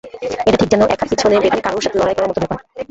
এটা ঠিক যেন এক হাত পিছোনে বেঁধে কারুর সাথে লড়াই করার মতো ব্যপার।